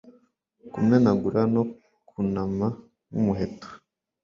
Kumenagura no kunama nkumuheto